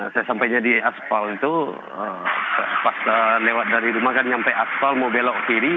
saya sampainya di aspal itu pas lewat dari rumah kan sampai aspal mau belok kiri